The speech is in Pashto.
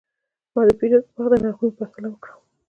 ما د پیرود پر وخت د نرخونو پرتله وکړه.